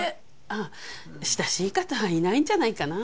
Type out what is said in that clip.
ああ親しい方はいないんじゃないかな